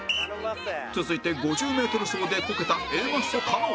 続いて５０メートル走でこけた Ａ マッソ加納